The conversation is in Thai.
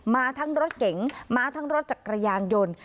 มาทั้งรถเก๋งมาทั้งรถจักรยานยนต์